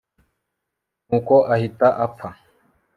nuko ahita apfa